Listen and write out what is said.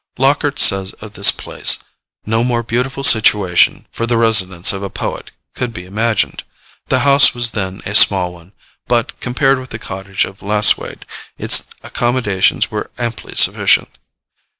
Lockhart says of this place: 'No more beautiful situation, for the residence of a poet, could be imagined. The house was then a small one; but, compared with the cottage of Lasswade, its accommodations were amply sufficient.